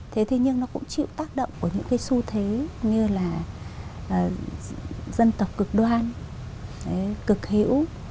thế nhưng nó cũng chịu tác động của những cái xu thế như là dân tộc cực đoan cực hữu